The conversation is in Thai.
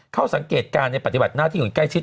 เข้าสังเกตการณ์ในปฏิบัติหน้าที่อย่างใกล้ชิด